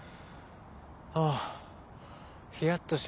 ああひやっとしました。